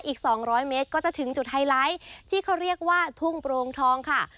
อีก๒๐๐เมตรก็จะถึงจุดไฮไลท์ที่เขาเรียกว่าทุ่งโปรงทองค่ะ